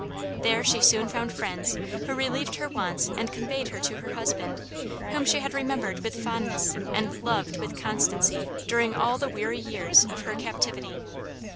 There she soon found friends, who relieved her wants and conveyed her to her husband, whom she had remembered with fondness and loved with constancy during all the weary years of her captivity.